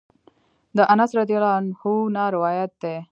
د انس رضی الله عنه نه روايت دی: